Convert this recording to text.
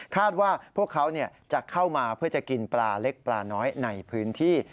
ว่าพวกเขาจะเข้ามาเพื่อจะกินปลาเล็กปลาน้อยในพื้นที่